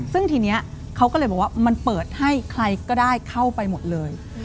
ซึ่งทีนี้เขาก็เลยบอกว่ามันเปิดให้ใครก็ได้เข้าไปหมดเลย